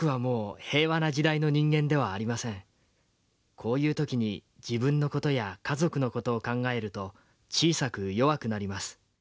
こういう時に自分の事や家族の事を考えると小さく弱くなります。